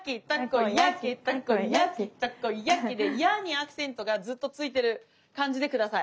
例えばで「や」にアクセントがずっと付いてる感じで下さい。